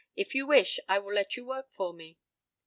If you wish, I will let you work for me.'"